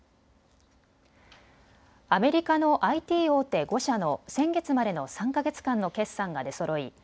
アメリカのＩＴ大手５社の先月までの３か月間の決算が出そろい